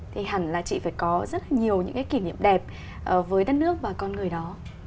thì hẳn là chị phải có rất nhiều những cái kỷ niệm đẹp với đất nước và con người đó